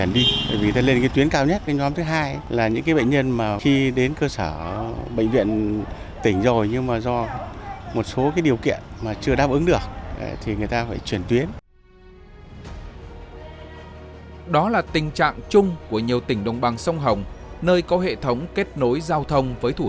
đó là tình trạng chung của nhiều tỉnh đồng bằng sông hồng nơi có hệ thống kết nối giao thông với thủ